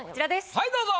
はいどうぞ。